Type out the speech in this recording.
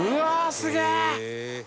すげえ！